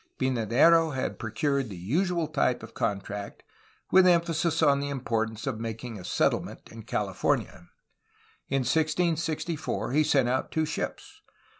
Pynadero had procured the usual type of con tract, with emphasis on the importance of making a settle ment in California. In 1664 he sent out two ships.